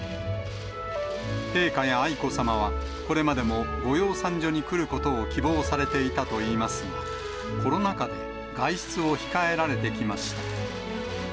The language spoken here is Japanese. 陛下や愛子さまは、これまでも御養蚕所に来ることを希望されていたといいますが、コロナ禍で、外出を控えられてきました。